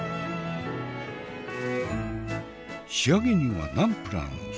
仕上げにはナンプラーのソース。